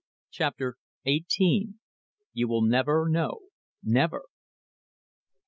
CHAPTER EIGHTEEN. "YOU WILL NEVER KNOW NEVER!"